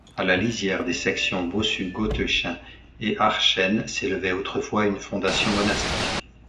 À la lisière des sections Bossut-Gottechain et Archennes s'élevait autrefois une fondation monastique.